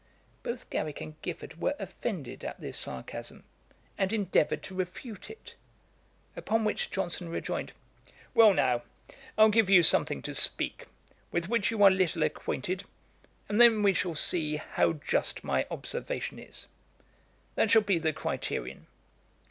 Both Garrick and Giffard were offended at this sarcasm, and endeavoured to refute it; upon which Johnson rejoined, 'Well now, I'll give you something to speak, with which you are little acquainted, and then we shall see how just my observation is. That shall be the criterion.